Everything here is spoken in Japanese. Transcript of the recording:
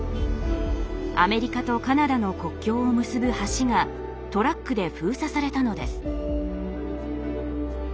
アメリカとカナダの国境を結ぶ橋がトラックで封鎖されたのです。